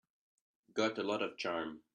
Got a lot of charm.